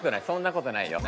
そんなことない。